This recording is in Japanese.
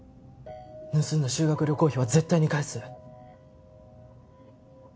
盗んだ修学旅行費は絶対に返す。